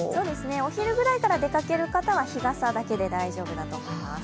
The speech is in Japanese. お昼ぐらいから出かける方は日傘だけで大丈夫かと思います。